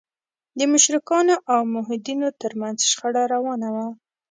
د مشرکانو او موحدینو تر منځ شخړه روانه وه.